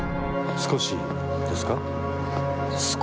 少しです。